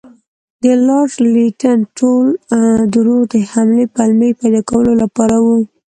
د لارډ لیټن ټول دروغ د حملې پلمې پیدا کولو لپاره وو.